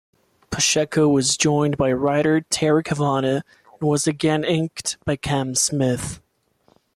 Pacheco was joined by writer Terry Kavanagh and was again inked by Cam Smith.